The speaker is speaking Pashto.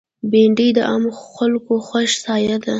بېنډۍ د عامو خلکو خوښ سابه ده